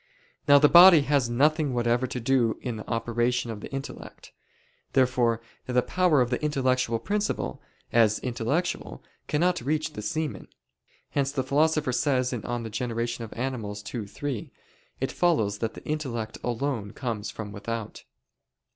Now the body has nothing whatever to do in the operation of the intellect. Therefore the power of the intellectual principle, as intellectual, cannot reach the semen. Hence the Philosopher says (De Gener. Animal. ii, 3): "It follows that the intellect alone comes from without."